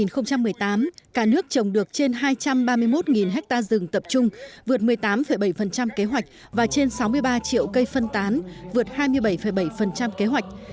năm hai nghìn một mươi tám cả nước trồng được trên hai trăm ba mươi một ha rừng tập trung vượt một mươi tám bảy kế hoạch và trên sáu mươi ba triệu cây phân tán vượt hai mươi bảy bảy kế hoạch